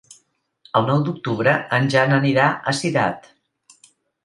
El nou d'octubre en Jan anirà a Cirat.